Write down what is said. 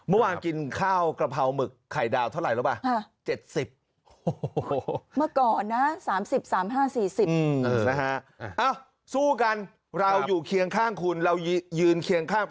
เมื่อวานกินข้าวกระเพราหมึกไข่ดาวเท่าไหร่รู้ป่ะ